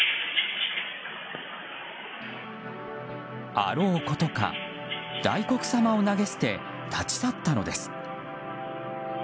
あろうことか、大黒様を投げ捨て立ち去ったのです。